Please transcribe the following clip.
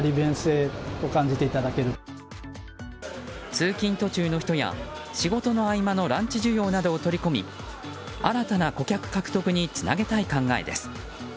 通勤途中の人や仕事の合間のランチ需要などを取り込み新たな顧客獲得につなげたい考えです。